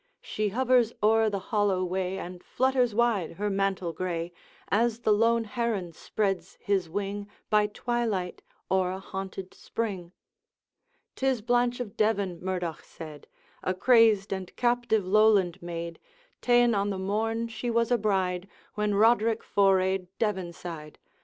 She hovers o'er the hollow way, And flutters wide her mantle gray, As the lone heron spreads his wing, By twilight, o'er a haunted spring.' ''Tis Blanche of Devan,' Murdoch said, 'A crazed and captive Lowland maid, Ta'en on the morn she was a bride, When Roderick forayed Devan side.